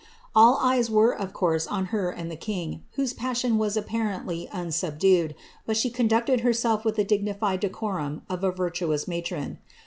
All eyes were of course on her and the king, passion was apparently unsubdued, but she conducted herself n digaitied decorum of a virtuous matron.